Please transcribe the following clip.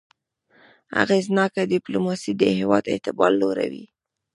اغېزناکه ډيپلوماسي د هېواد اعتبار لوړوي.